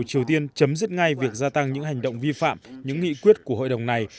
triều tiên chấm dứt ngay việc gia tăng những hành động vi phạm những nghị quyết của hội đồng này